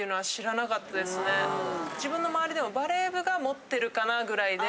自分の周りでもバレー部が持ってるかなぐらいで。